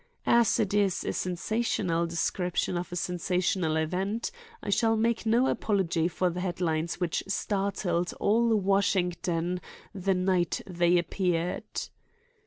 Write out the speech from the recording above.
As it is a sensational description of a sensational event, I shall make no apology for the headlines which startled all Washington the night they appeared.